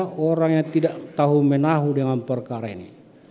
terdakwa tidak tahu menahu dengan perkara ini